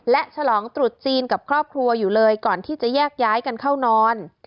และฉลองตรุษจีนกับครอบครัวอยู่เลยก่อนที่จะแยกย้ายกันเข้านอน